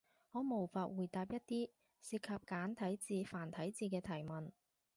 我無法回答一啲涉及簡體字、繁體字嘅提問